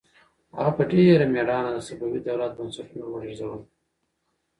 هغه په ډېر مېړانه د صفوي دولت بنسټونه ولړزول.